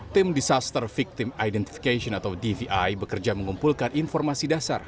tim disaster victim identification atau dvi bekerja mengumpulkan informasi dasar